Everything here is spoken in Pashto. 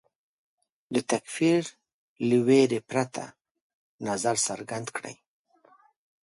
د تکفیر له وېرې پرته نظر څرګند کړي